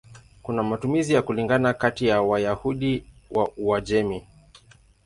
Kuna matumizi ya kulingana kati ya Wayahudi wa Uajemi.